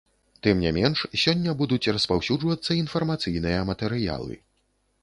Тым не менш сёння будуць распаўсюджвацца інфармацыйныя матэрыялы.